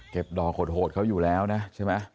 เก็บดองขนโหดเขาอยู่แล้วเนี่ยใช่ไหม